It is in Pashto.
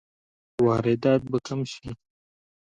واردات به کم شي؟